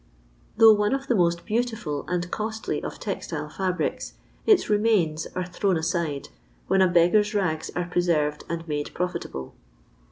Though one of the;^most beautiful and costly of textile fabrics, its "remains" are thrown aside, when a beggar's rags are preserved and mado profitable.